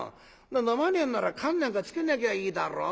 飲まねえんなら燗なんかつけなきゃいいだろ。